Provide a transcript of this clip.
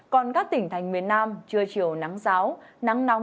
còn các tỉnh thành miền nam trưa chiều nắng giáo